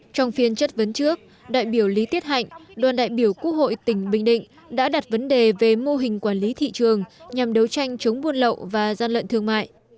trong phiên chất vấn trước đại biểu lý tiết hạnh đoàn đại biểu quốc hội tỉnh bình định đã đặt vấn đề về mô hình quản lý thị trường nhằm đấu tranh chống buôn lậu và gian lận thương mại